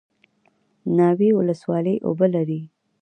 ناوې ولسوالۍ اوبه لري؟